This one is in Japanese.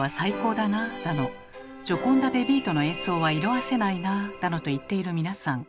だの「ジョコンダ・デ・ヴィートの演奏は色あせないな」だのと言っている皆さん。